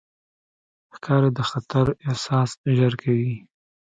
ښکاري د خطر احساس ژر کوي.